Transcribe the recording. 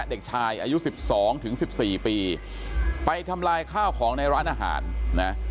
เด็กชายอายุสิบสองถึงสิบสี่ปีไปทำลายข้าวของในร้านอาหารนะ